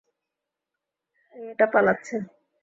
এই এটা পালাচ্ছে!